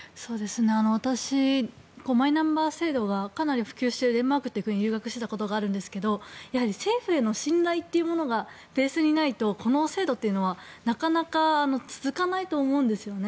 私、マイナンバー制度がかなり普及しているデンマークという国に留学していたことがあるんですが政府への信頼というものがベースにないとこの制度というのはなかなか続かないと思うんですね。